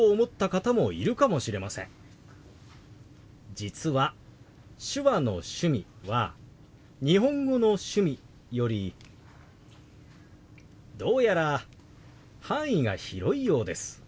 実は手話の「趣味」は日本語の「趣味」よりどうやら範囲が広いようです。